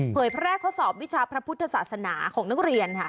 เผยแพร่ข้อสอบวิชาพระพุทธศาสนาของนักเรียนค่ะ